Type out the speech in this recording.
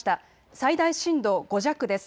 最大震度５弱です。